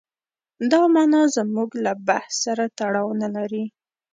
دا معنا زموږ له بحث سره تړاو نه لري.